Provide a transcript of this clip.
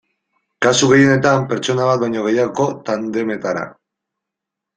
Kasu gehienetan, pertsona bat baino gehiagoko tandemetara.